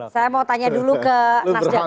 saya mau tanya dulu ke nasdem